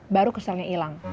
baru keselnya hilang